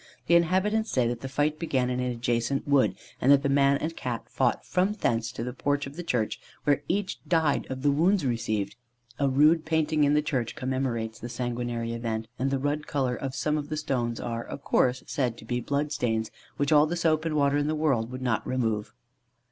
The inhabitants say that the fight began in an adjacent wood, and that the man and Cat fought from thence to the porch of the church, where each died of the wounds received. A rude painting in the church commemorates the sanguinary event, and the red colour of some of the stones are, of course, said to be blood stains, which all the soap and water in the world could not remove.